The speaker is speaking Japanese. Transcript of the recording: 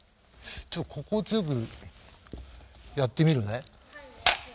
ちょっとここを強くやってみるね。